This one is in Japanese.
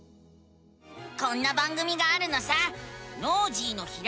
こんな番組があるのさ！